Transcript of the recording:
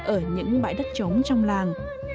ở những bãi đất trống trong làng